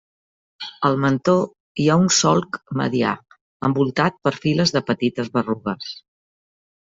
Al mentó hi ha un solc medià envoltat per files de petites berrugues.